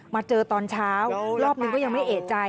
มาเจอตอนเช้ารอบนึงก็ยังไม่เอกใจ